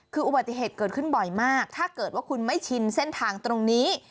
คืออุบัติเหตุเกิดขึ้นบ่อยมากถ้าเกิดว่าคุณไม่ชินเส้นทางตรงนี้